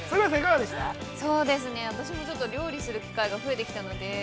◆私も料理する機会が増えてきたので。